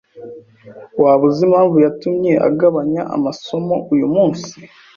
Waba uzi impamvu yatumye agabanya amasomo uyumunsi?